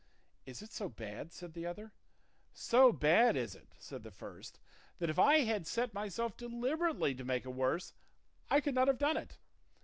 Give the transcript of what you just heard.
'Is it so bad?' said the other. 'So bad is it,' said the first, 'that if I had set myself deliberately to make a worse, I could not have done it.